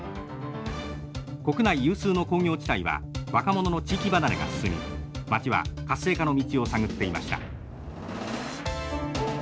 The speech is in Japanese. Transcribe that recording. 国内有数の工業地帯は若者の地域離れが進み町は活性化の道を探っていました。